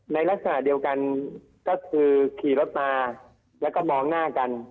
ในลักษณะเดียวกันก็คือขี่รถมาแล้วก็มองหน้ากัน